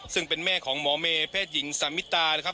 ซึ่งเป็นแม่ของหมอเมย์แพทย์หญิงสามิตา